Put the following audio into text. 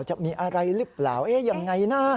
จะมีอะไรหรือเปล่าเอ๊ะยังไงนะ